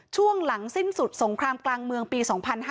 ช่วงหลังสิ้นสุดสงครามกลางเมืองปี๒๕๕๙